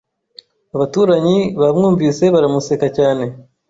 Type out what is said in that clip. Abaturanyi bamwumvise baramuseka cyane